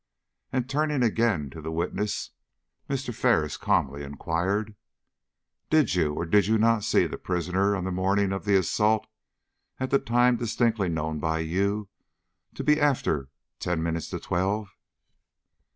And turning again to the witness, Mr. Ferris calmly inquired: "Did you or did you not see the prisoner on the morning of the assault, at a time distinctly known by you to be after ten minutes to twelve?"